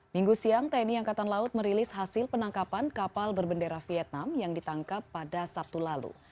minggu siang tni angkatan laut merilis hasil penangkapan kapal berbendera vietnam yang ditangkap pada sabtu lalu